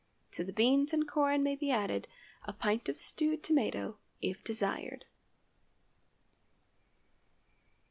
To the beans and corn may be added a pint of stewed tomato, if desired.